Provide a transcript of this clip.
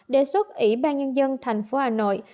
đề xuất ủy ban nhân dân thành phố hà nội